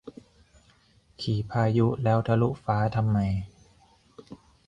ขี่พายุแล้วทะลุฟ้าทำไม